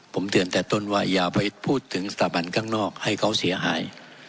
ผมเตือนแต่ต้นว่าอย่าไปพูดถึงสถาบันข้างนอกให้เขาเสียหาย